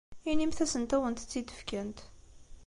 Inimt-asent ad awent-tt-id-fkent.